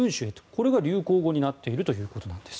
これが流行語になっているということです。